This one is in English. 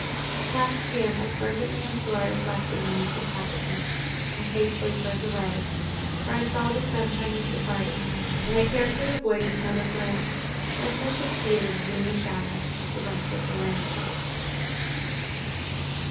With clasped hands I fervently implored a blessing on its inhabitants, and hastily turned away; for I saw the sunshine was departing; and I carefully avoided another glance, lest I should see it in gloomy shadow, like the rest of the landscape.